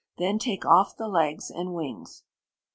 Then take off the legs and wings.